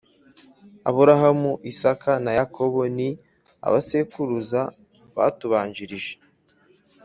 Aburahamu Isaka na Yakobo ni abasekuruza batubanjirije